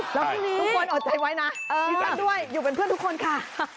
แล้วพี่ทุกคนอดใจไว้นะดิฉันด้วยอยู่เป็นเพื่อนทุกคนค่ะ